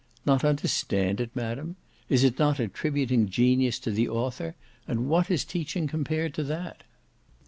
"Not understand it, madam? Is it not attributing genius to the author, and what is teaching compared to that?"